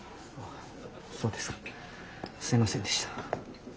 そうですかすいませんでした。